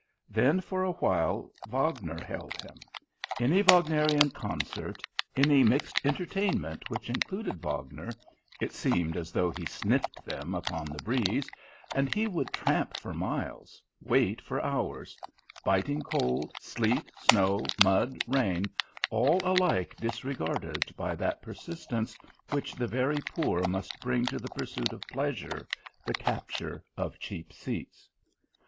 Then for a while Wagner held him. Any Wagnerian concert, any mixed entertainment which included Wagner it seemed as though he sniffed them upon the breeze and he would tramp for miles, wait for hours; biting cold, sleet, snow, mud, rain, all alike disregarded by that persistence which the very poor must bring to the pursuit of pleasure, the capture of cheap seats.